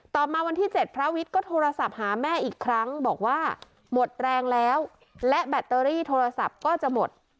มาวันที่๗พระวิทย์ก็โทรศัพท์หาแม่อีกครั้งบอกว่าหมดแรงแล้วและแบตเตอรี่โทรศัพท์ก็จะหมด